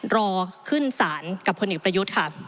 รอขึ้นศาลกับพลเอกประยุทธ์ค่ะ